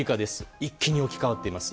一気に置き換わっています。